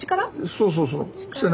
そうそうそう背中。